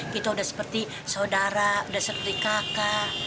kita udah seperti saudara udah seperti kakak